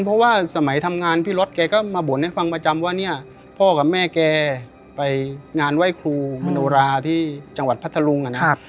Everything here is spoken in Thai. เพราะว่าสมัยทำงานพี่รถแกก็มาบ่นให้ฟังประจำว่าเนี่ยพ่อกับแม่แกไปงานไหว้ครูมโนราที่จังหวัดพัทธรุงอ่ะนะ